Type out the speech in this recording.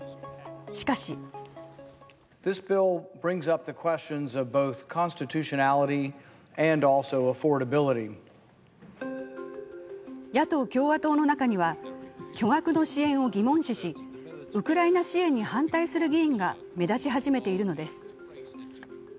しかし野党・共和党の中には巨額の支援を疑問視しウクライナ支援に反対する議員が目立ち始めているのです。